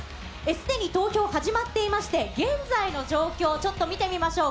すでに投票始まっていまして、現在の状況、ちょっと見てみましょう。